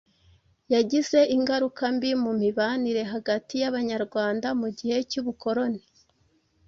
yagize ingaruka mbi mu mibanire hagati y'Abanyarwanda mu gihe cy'ubukoloni